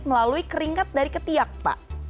melalui keringkat dari ketiak pak